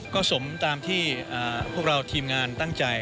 ก็สมตามที่พวกเราทีมงานตั้งใจ